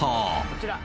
こちら。